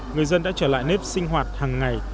người dân đã trở lại nếp sinh hoạt hàng ngày